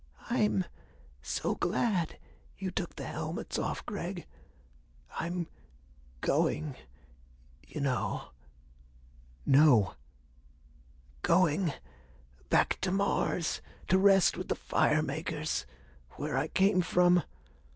"I'm so glad you took the helmets off, Gregg. I'm going you know." "No!" "Going back to Mars to rest with the fire makers where I came from.